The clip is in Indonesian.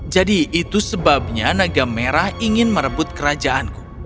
jadi itu sebabnya naga merah ingin merebut kerajaanku